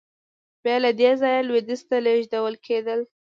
بیا له دې ځایه لوېدیځ ته لېږدول کېدل.